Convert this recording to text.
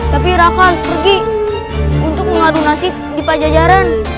tapi raka harus pergi untuk mengadu nasib di pajajaran